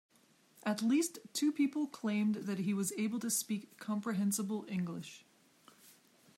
At least two people claimed that he was able to speak comprehensible English.